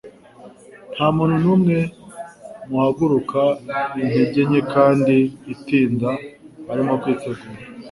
Nta muntu n'umwe Guhaguruka intege nke kandi atinda arimo kwitegura